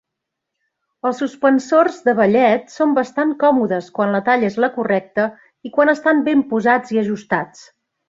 Els suspensors de ballet són bastant còmodes quan la talla és la correcta i quan estan ben posats i ajustats.